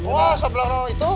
wah sebelah naon itu